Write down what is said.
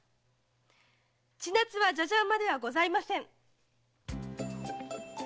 千奈津はじゃじゃ馬ではございません！